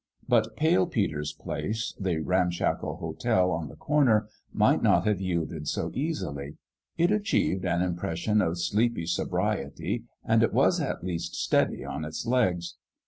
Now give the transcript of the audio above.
But Pale Peter's place, the ram shackle hotel on the corner, might not have yielded so easily. It achieved an impression of sleepy sobriety, and it was at least steady on its legs.